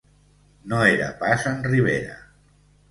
No era pas en Rivera.